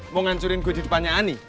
mau ngancurin gue di depannya ani